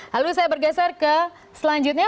lalu saya bergeser ke selanjutnya